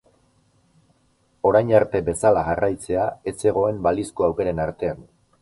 Orain arte bezala jarraitzea ez zegoen balizko aukeren artean.